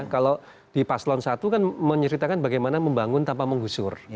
kalau di paslon satu kan menceritakan bagaimana membangun tanpa menggusur